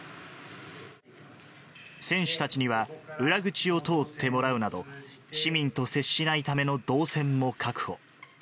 選手たちには裏口を通ってもらうなど、市民と接しないための動線も確保。